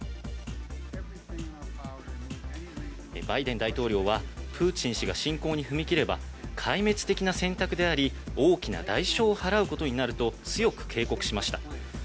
バイデン大統領は、プーチン氏が侵攻に踏み切れば、壊滅的な選択であり、大きな代償を払うことになると、強く警告しました。